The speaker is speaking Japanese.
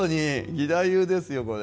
義太夫ですよこれ。